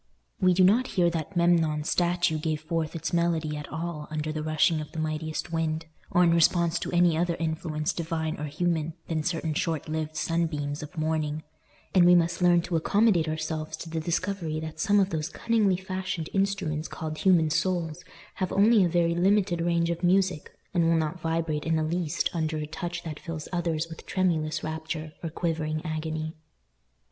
We do not hear that Memnon's statue gave forth its melody at all under the rushing of the mightiest wind, or in response to any other influence divine or human than certain short lived sunbeams of morning; and we must learn to accommodate ourselves to the discovery that some of those cunningly fashioned instruments called human souls have only a very limited range of music, and will not vibrate in the least under a touch that fills others with tremulous rapture or quivering agony.